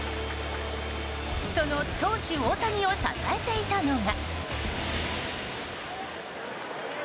その投手・大谷を支えていたのが。